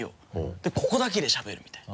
でここだけでしゃべるみたいな。